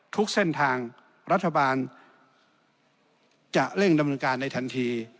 ทุกเส้นทางรัฐบาลจะเร่งดำเนินการในทันที